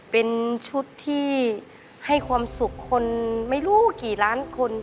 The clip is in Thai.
เป็นชุดที่ให้ความสุขคนไม่รู้กี่ล้านคน